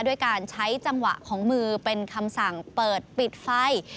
ด้วยการใช้จังหวะของมือเป็นคำสั่งเปิดปิดไฟ